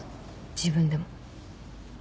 自分でも。